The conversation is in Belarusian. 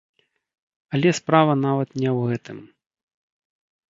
Але справа нават не ў гэтым.